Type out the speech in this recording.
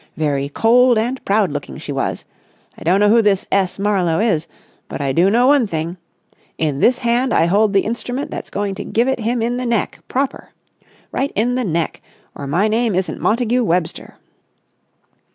Very cold and proud looking she was! I don't know who this S. Marlowe is, but I do know one thing; in this hand I hold the instrument that's going to give it him in the neck, proper! Right in the neck, or my name isn't Montagu Webster!"